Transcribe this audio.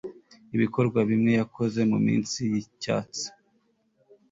Ibikorwa bimwe yakoze muminsi yicyatsi